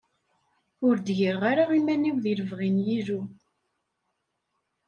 Ur d-gireɣ ara iman-iw di lebɣi n yilu.